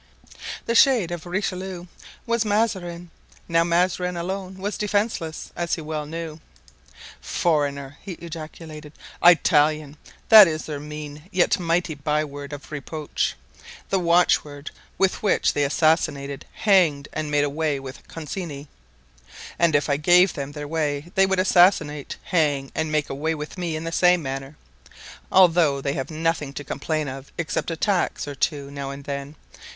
The shade of Richelieu was Mazarin. Now Mazarin was alone and defenceless, as he well knew. "Foreigner!" he ejaculated, "Italian! that is their mean yet mighty byword of reproach—the watchword with which they assassinated, hanged, and made away with Concini; and if I gave them their way they would assassinate, hang, and make away with me in the same manner, although they have nothing to complain of except a tax or two now and then.